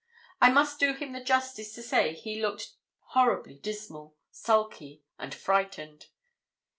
I must do him the justice to say he looked horribly dismal, sulky, and frightened.